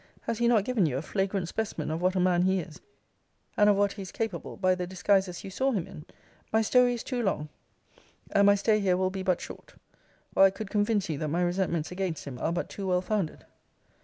Has he not given you a flagrant specimen of what a man he is, and of what his is capable, by the disguises you saw him in? My story is too long, and my stay here will be but short; or I could convince you that my resentments against him are but too well founded.'